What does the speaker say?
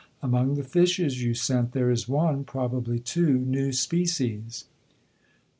Among the fishes you sent there is one, probably two, new species."